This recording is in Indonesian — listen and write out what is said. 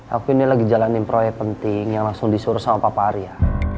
aku ini lagi jalanin proyek penting yang langsung disuruh sama papary ya